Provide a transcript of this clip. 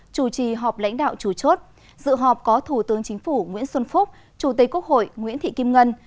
chủ trì họp lãnh đạo chủ chốt dự họp có thủ tướng chính phủ nguyễn xuân phúc chủ tịch quốc hội nguyễn thị kim ngân